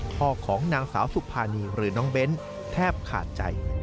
ของนางสาวสุภานีหรือน้องเบ้นแทบขาดใจ